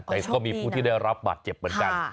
แต่ก็มีผู้ที่ได้รับบาดเจ็บเหมือนกัน